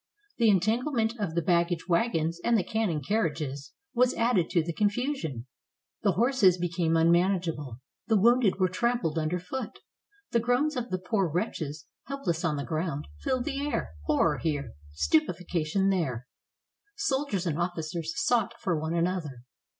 The entanglement of the baggage wagons and the cannon carriages was added to the con fusion. The horses became unmanageable; the wounded were trampled under foot. The groans of the poor wretches, helpless on the ground, filled the air. Horror here, stupefaction there. Soldiers and officers sought for one another.